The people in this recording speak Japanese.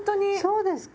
そうですか？